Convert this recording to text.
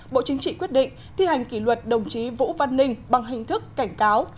bộ chính trị quyết định thi hành kỷ luật đồng chí vũ văn ninh bằng hình thức cảnh cáo